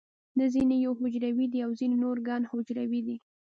نه ځینې یو حجروي دي او ځینې نور ګڼ حجروي دي